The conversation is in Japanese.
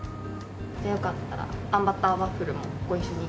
よかったらあんバターワッフルもご一緒に。